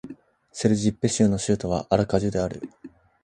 セルジッペ州の州都はアラカジュである